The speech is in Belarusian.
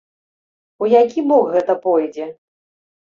У які бок гэта пойдзе?